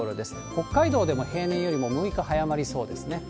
北海道でも平年よりも６日早まりそうですね。